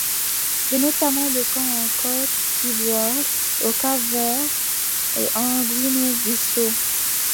C'est notamment le cas en Côte d'Ivoire, au Cap-Vert et en Guinée-Bissau.